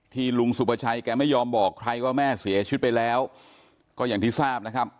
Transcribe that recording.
ลุงสุภาชัยแกไม่ยอมบอกใครว่าแม่เสียชีวิตไปแล้วก็อย่างที่ทราบนะครับ